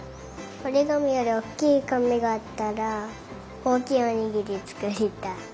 おりがみよりおおきいかみがあったらおおきいおにぎりつくりたい。